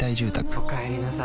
おかえりなさい。